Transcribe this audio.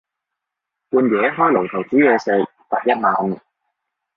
半夜開爐頭煮嘢食，罰一萬